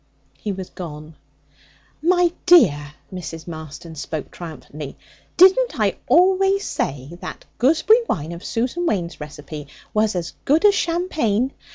He was gone. 'My dear' Mrs. Marston spoke triumphantly 'didn't I always say that gooseberry wine of Susan Waine's recipe was as good as champagne?